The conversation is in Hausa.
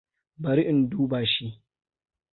Bari in duba shi.